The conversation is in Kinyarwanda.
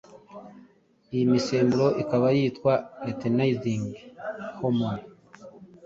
iyi misemburo ikaba yitwa luteinizing hormone